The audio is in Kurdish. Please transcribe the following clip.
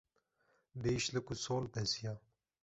bê îşlig û sol beziyam